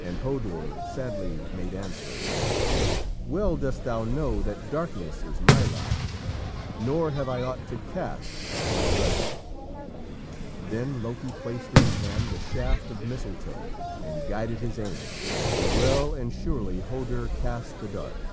And Hodur sadly made answer: "Well dost thou know that darkness is my lot, nor have I ought to cast at my brother." Then Loki placed in his hand the shaft of mistletoe and guided his aim, and well and surely Hodur cast the dart.